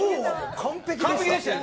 完璧でしたよね。